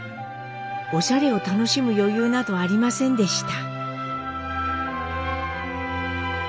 おしゃれを楽しむ余裕などありませんでした。